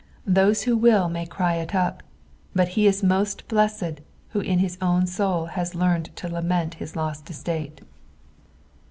Those who will may cry it up, but ho is must blessed who in bis own soul has learned to lament bis lost estate.